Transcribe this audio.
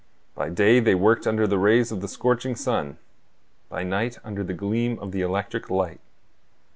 By day they worked under the rays of the scorching sun; by night, under the gleam of the electric light.